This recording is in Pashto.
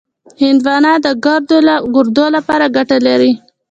هندوانه د ګردو لپاره ګټه لري.